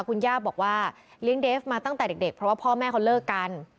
คุณย่าบอกว่าเลี้ยงเดฟมาตั้งแต่เด็กเพราะว่าพ่อแม่เขาเลิกกัน